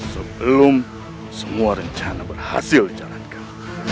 sebelum semua rencana berhasil dijalankan